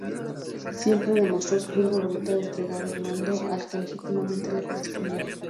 Siempre demostró su firme voluntad de entregar el mando al que legítimamente le correspondiera.